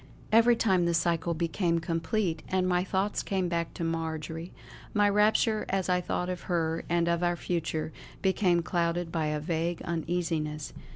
Every time the cycle became complete and my thoughts came back to Marjory, my rapture as I thought of her and of our future, became clouded by a vague uneasiness.